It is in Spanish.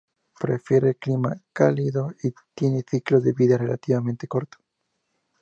Prefiere clima cálido y tiene un ciclo de vida relativamente corto.